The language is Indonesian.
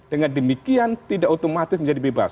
dengan demikian tidak otomatis menjadi bebas